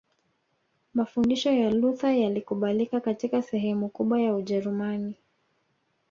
Mafundisho ya Luther yalikubalika katika sehemu kubwa ya Ujerumani